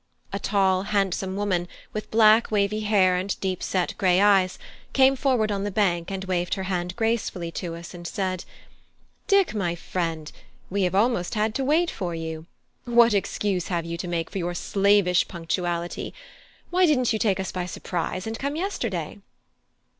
A tall handsome woman, with black wavy hair and deep set grey eyes, came forward on the bank and waved her hand gracefully to us, and said: "Dick, my friend, we have almost had to wait for you! What excuse have you to make for your slavish punctuality? Why didn't you take us by surprise, and come yesterday?"